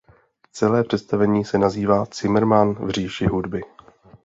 Celé představení se nazývá Cimrman v říši hudby.